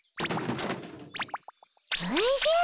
おじゃ！